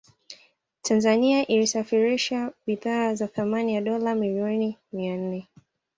Tanzania ilisafirisha bidhaa za thamani ya dola milioni mia nne